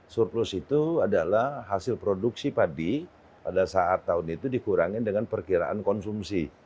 surplus itu adalah hasil produksi padi pada saat tahun itu dikurangin dengan perkiraan konsumsi